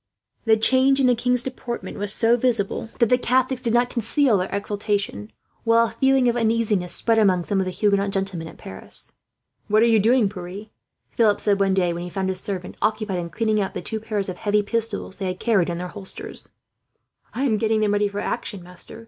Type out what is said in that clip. The change in the king's deportment was so visible that the Catholics did not conceal their exultation, while a feeling of uneasiness spread among some of the Huguenot gentlemen at Paris. "What are you doing, Pierre!" Philip said one day, when he found his servant occupied in cleaning up the two pairs of heavy pistols they carried in their holsters. "I am getting them ready for action, master.